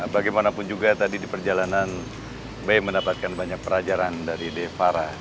bagaimanapun juga tadi di perjalanan be mendapatkan banyak perajaran dari de farah